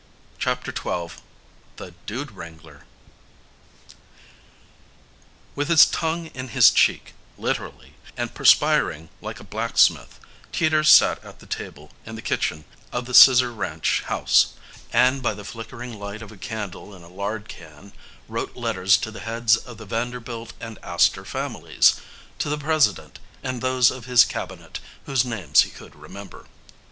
CHAPTER XII THE DUDE WRANGLER With his tongue in his cheek, literally, and perspiring like a blacksmith, Teeters sat at the table in the kitchen of the Scissor Ranch house, and by the flickering light of a candle in a lard can wrote letters to the heads of the Vanderbilt and Astor families, to the President and those of his Cabinet whose names he could remember.